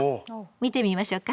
見てみましょうか。